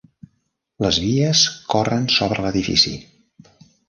Les vies corren sobre l'edifici.